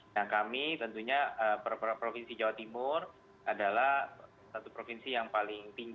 nah kami tentunya provinsi jawa timur adalah satu provinsi yang paling tinggi